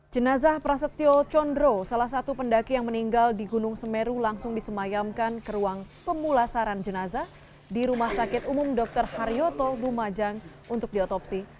jenazah prasetyo condro salah satu pendaki yang meninggal di gunung semeru langsung disemayamkan ke ruang pemulasaran jenazah di rumah sakit umum dr haryoto lumajang untuk diotopsi